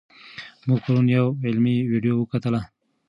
موږ پرون یوه علمي ویډیو وکتله.